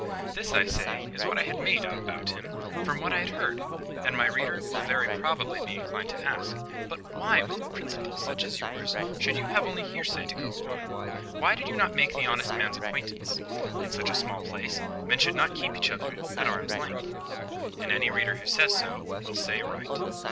This, I say, is what I had made out about him from what I had heard; and my reader will very probably be inclined to ask, "But why, with principles such as yours, should you have only hearsay to go upon? Why did you not make the honest man's acquaintance? In such a small place, men should not keep each other at arm's length." And any reader who says so, will say right.